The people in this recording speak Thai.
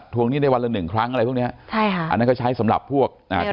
ทวงหนี้ในวันละหนึ่งครั้งอะไรพวกนี้ใช่ค่ะอันนั้นก็ใช้สำหรับพวกในระบบ